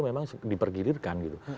memang dipergilirkan gitu